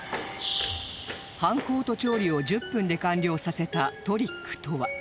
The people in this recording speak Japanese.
［「犯行」と「調理」を１０分で完了させたトリックとは？］